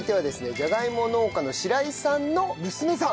じゃがいも農家の白井さんの娘さん。